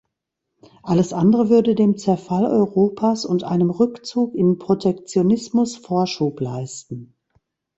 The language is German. Alles andere würde dem Zerfall Europas und einem Rückzug in Protektionismus Vorschub leisten.